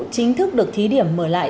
chính thức được thí điểm mở lại